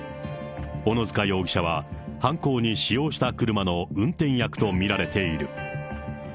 小野塚容疑者は犯行に使用した車の運転役と見られている。